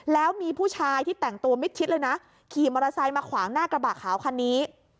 แล้วมีผู้ชายที่แต่งตัวมิดชิดเลยนะขี่มอเตอร์ไซค์มาขวางหน้ากระบะขาวคันนี้